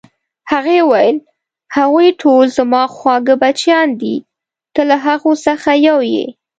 هغې وویل: هغوی ټول زما خواږه بچیان دي، ته له هغو څخه یو یې.